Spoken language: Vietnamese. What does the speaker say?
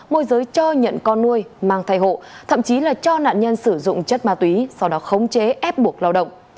môi giới cho nhận con nuôi mang thai hộ thậm chí là cho nạn nhân sử dụng chất ma túy sau đó khống chế ép buộc lao động